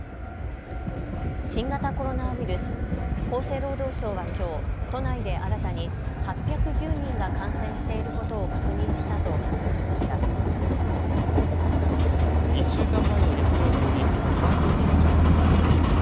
新型コロナウイルス、厚生労働省はきょう都内で新たに８１０人が感染していることを確認したと発表しました。